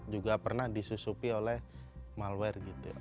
juga pernah disusupi oleh malware